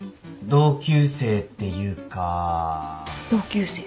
同級生。